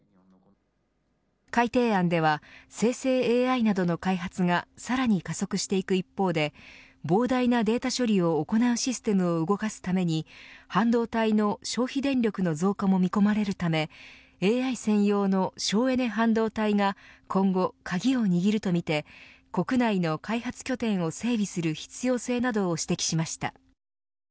改定案では生成ＡＩなどの開発がさらに加速していく一方で膨大なデータ処理を行うシステムを動かすために半導体の消費電力の増加も見込まれるためＡＩ専用の省エネ半導体が今後、鍵を握るとみて国内の開発拠点を整備する必要性などを指摘しました。